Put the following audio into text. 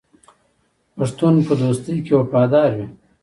پښتون په دوستۍ کې وفادار وي.